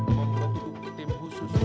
membutuhkan tim khusus